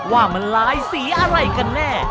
ว่ามันลายสีอะไรกันแน่